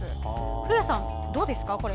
古谷さん、どうですか？